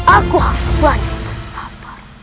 aku harus belajar bersabar